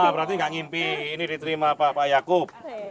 berarti nggak ngimpi ini diterima pak yaakub